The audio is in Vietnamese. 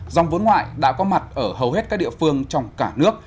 dòng vốn ngoại đã có mặt ở hầu hết các địa phương trong cả nước